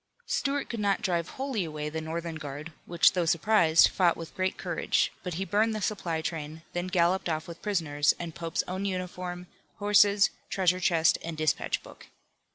Stuart could not drive wholly away the Northern guard, which though surprised, fought with great courage, but he burned the supply train, then galloped off with prisoners, and Pope's own uniform, horses, treasure chest and dispatch book.